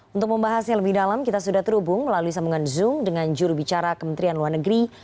untuk membahasnya lebih dalam kita sudah terhubung melalui sambungan zoom dengan jurubicara kementerian luar negeri